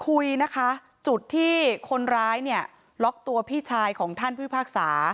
คุยนะคะจุดที่คนร้ายเนี่ยล็อกตัวพี่ชายของท่านพิพากษา